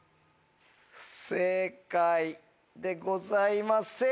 不正解でございます。